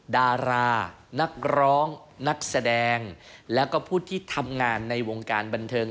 ดารานักร้องนักแสดงแล้วก็ผู้ที่ทำงานในวงการบันเทิง